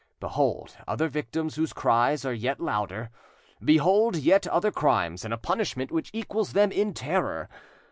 Behold other victims whose cries are yet louder, behold yet other crimes and a punishment which equals them in terror!